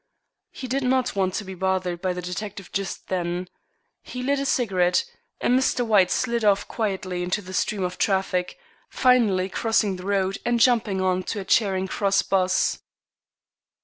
He did not want to be bothered by the detective just then. He lit a cigarette, and Mr. White slid off quietly into the stream of traffic, finally crossing the road and jumping on to a Charing Cross 'bus.